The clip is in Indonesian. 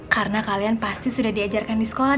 karena kalian pasti sudah diajarkan di sekolah